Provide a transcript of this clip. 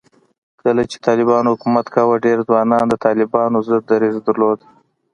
کله چې طالبانو حکومت کاوه، ډېرو ځوانانو د طالبانو ضد دریځ درلود